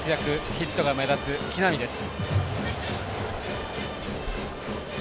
ヒットが目立つ木浪です。